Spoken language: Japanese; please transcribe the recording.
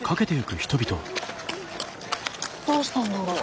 どうしたんだろう？